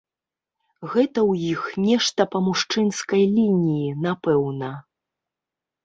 Гэта ў іх нешта па мужчынскай лініі, напэўна.